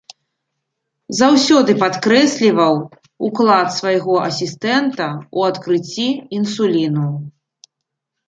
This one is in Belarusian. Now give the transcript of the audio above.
Заўсёды падкрэсліваў ўклад свайго асістэнта ў адкрыцці інсуліну.